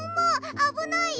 あぶないよ！